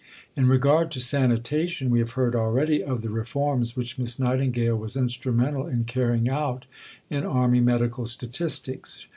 In regard to sanitation, we have heard already of the reforms which Miss Nightingale was instrumental in carrying out in Army Medical Statistics.